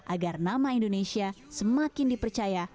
agar nama indonesia semakin dipercaya